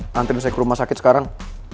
nantikan saya ke rumah sakit sekarang